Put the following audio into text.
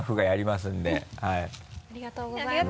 ありがとうございます。